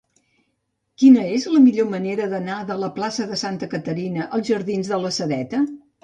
Quina és la millor manera d'anar de la plaça de Santa Caterina als jardins de la Sedeta?